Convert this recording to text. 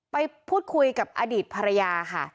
ไปพูดคุยกับอดีตภรรยาค่ะ